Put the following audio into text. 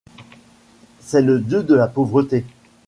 C'est le dieu de la pauvreté.